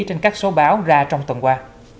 trên các số báo ra trong tuần qua